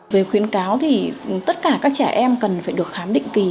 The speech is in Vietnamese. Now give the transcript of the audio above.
về khuyến cáo thì tất cả các trẻ em cần phải được khám định kỳ